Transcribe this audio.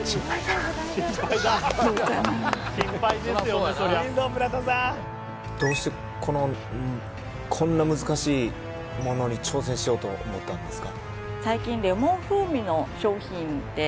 うんどうしてこのこんな難しいものに挑戦しようと思ったんですか？